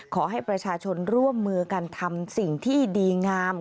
ขอให้ประชาชนร่วมมือกันทำสิ่งที่ดีงาม